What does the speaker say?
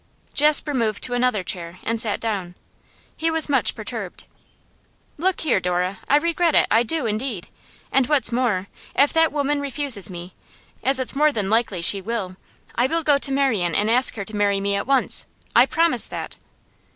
Jasper moved to another chair and sat down. He was much perturbed. 'Look here, Dora, I regret it; I do, indeed. And, what's more, if that woman refuses me as it's more than likely she will I will go to Marian and ask her to marry me at once. I promise that.